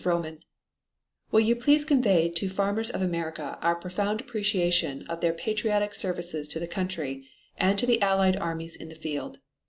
VROOMAN: Will you please convey to farmers of America our profound appreciation of their patriotic services to the country and to the Allied armies in the field.